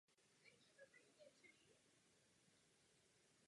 Panský pivovar ovšem v provozu zůstal.